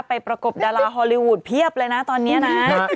ประกบดาราฮอลลีวูดเพียบเลยนะตอนนี้นะ